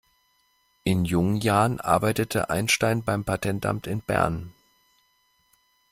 In jungen Jahren arbeitete Einstein beim Patentamt in Bern.